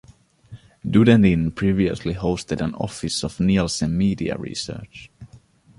Dunedin previously hosted an office of Nielsen Media Research.